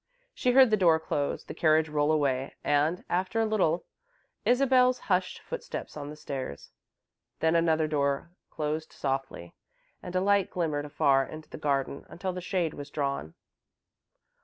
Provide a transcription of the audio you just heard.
She heard the door close, the carriage roll away, and, after a little, Isabel's hushed footsteps on the stairs. Then another door closed softly and a light glimmered afar into the garden until the shade was drawn.